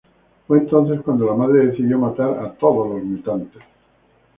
Fue entonces cuando la madre decidió matar a todos los mutantes.